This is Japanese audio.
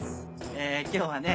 今日はね